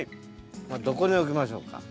どこに置きましょうか？